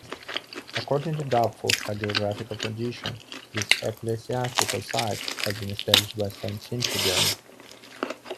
According to doubtful hagiographical tradition, this ecclesiastical site had been established by Saint Kentigern.